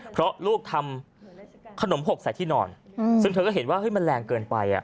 เพราะลูกทำขนมหกใส่ที่นอนซึ่งเธอก็เห็นว่ามันแรงเกินไป